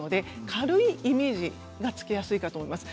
軽いイメージがつきやすいと思います。